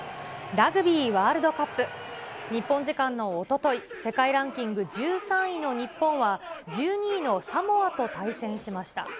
ラグビーワールドカップ、日本時間のおととい、世界ランキング１３位の日本は、１２位のサモアと対戦しました。